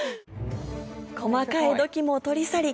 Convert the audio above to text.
細かい土器も取り去り